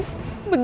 aku nyam updating